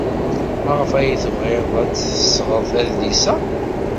Maɣef ay tebɣiḍ ad d-tesɣeḍ adlis-a?